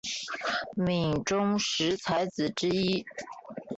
闽中十才子之一。